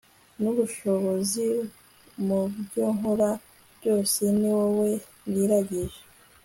n ubushishozi, mu byo nkora byose, ni wowe niragije